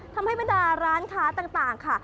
บรรดาร้านค้าต่างค่ะ